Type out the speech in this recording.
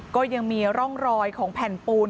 ก็ยังมีร่องรอยของแผ่นปูน